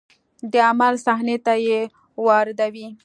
د عمل صحنې ته یې واردوي.